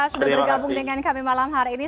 sudah bergabung dengan kami malam hari ini